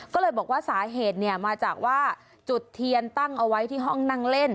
ก็เลยบอกว่าสาเหตุมาจากว่าจุดเทียนตั้งเอาไว้ที่ห้องนั่งเล่น